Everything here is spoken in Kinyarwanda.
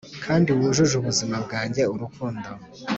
kandi wujuje ubuzima bwanjye urukundo.